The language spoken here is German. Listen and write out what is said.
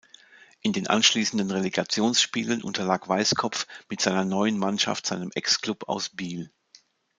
In den anschliessenden Relegationsspielen unterlag Weisskopf mit seiner neuen Mannschaft seinem Ex-Club aus Biel.